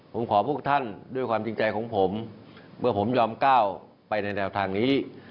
ผมขอพวกท่านด้วยความจริงใจของผมเมื่อผมยอมก้าวไปในแนวทางนี้